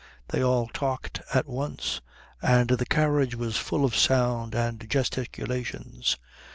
They all talked at once, and the carriage was full of sound and gesticulations.